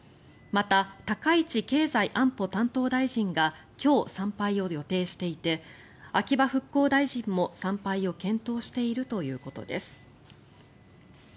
また、高市経済安保担当大臣が今日、参拝を予定していて秋葉復興大臣も参拝を検討しているということです。